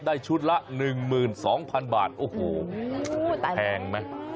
ชุดละ๑๒๐๐๐บาทโอ้โหแพงไหม